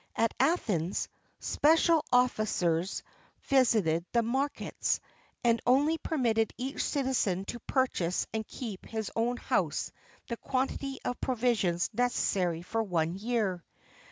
At Athens, special officers visited the markets, and only permitted each citizen to purchase and keep in his own house the quantity of provisions necessary for one year.